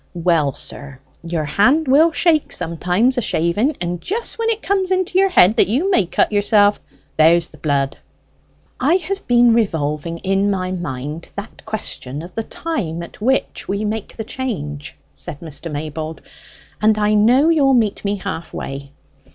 "Well, sir, your hand will shake sometimes a shaving, and just when it comes into your head that you may cut yourself, there's the blood." "I have been revolving in my mind that question of the time at which we make the change," said Mr. Maybold, "and I know you'll meet me half way.